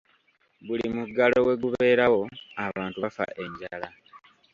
Buli muggalo we gubeerawo abantu bafa enjala.